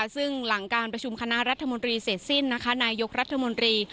ซึ่งหลังการประชุมคณะรัฐมนตรีเสร็จสิ้นนายยกรัฐมนตรี